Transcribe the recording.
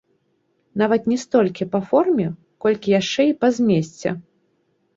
Нават не столькі па форме, колькі яшчэ і па змесце.